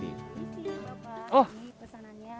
di sini pak di pesanannya